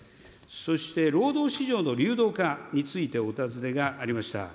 そして、労働市場の流動化について、お尋ねがありました。